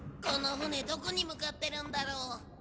この船どこに向かってるんだろう。